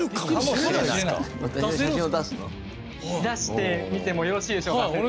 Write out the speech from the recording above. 出してみてもよろしいでしょうか？